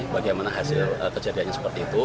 bagaimana hasil kejadiannya seperti itu